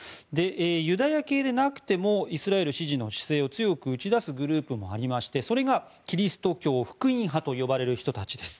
ユダヤ系でなくてもイスラエル支持の姿勢を強く打ち出すグループもありましてそれが、キリスト教福音派と呼ばれる人たちです。